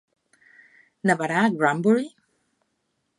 Nevarà a Granbury?